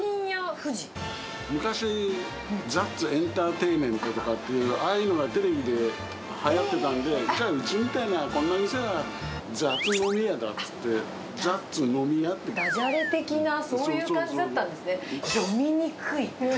昔、ザッツエンターテインメントとか、ああいうのがテレビではやってたんで、じゃあ、うちみたいなこの店は、雑飲屋だって言って、だじゃれ的な、そういう感じだったんですね。